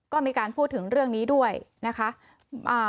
ก็มีการพูดถึงเรื่องนี้ด้วยนะคะ